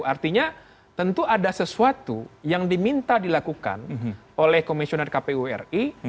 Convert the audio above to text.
artinya tentu ada sesuatu yang diminta dilakukan oleh komisioner kpu ri